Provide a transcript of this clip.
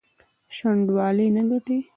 شنډوالي نه ګڼي.